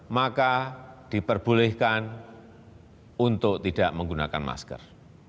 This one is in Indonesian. maka diperbolehkan untuk tidak menggunakan masker